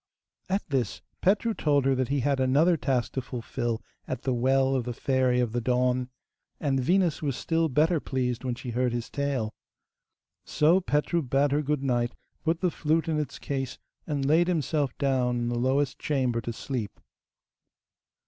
At this, Petru told her that he had another task to fulfil at the well of the Fairy of the Dawn, and Venus was still better pleased when she heard his tale. So Petru bade her good night, put the flute in its case, and laid himself down in the lowest chamber to sleep.